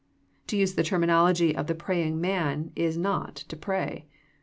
To use the terminology of the praying man, is not to pray.